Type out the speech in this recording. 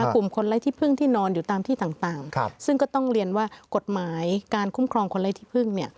กลุ่มคนไร้ที่พึ่งที่นอนอยู่ตามที่ต่างซึ่งก็ต้องเรียนว่ากฎหมายการคุ้มครองคนไร้ที่พึ่ง